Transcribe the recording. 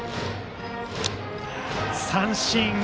三振。